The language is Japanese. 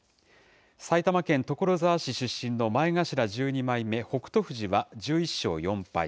埼玉県所沢市出身の前頭１２枚目・北勝富士は１１勝４敗。